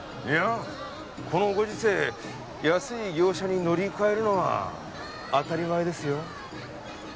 いやこのご時世安い業者に乗り換えるのは当たり前ですよ。